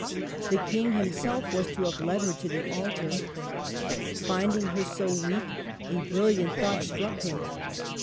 The King himself was to have led her to the altar. Finding her so weak, a brilliant thought struck him.